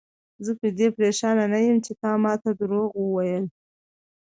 زه په دې پریشان نه یم چې تا ماته دروغ وویل.